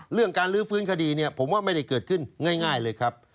เรื่องการลื้อฟื้นคดีเนี่ยผมว่าไม่ได้เกิดขึ้นง่ายเลยครับ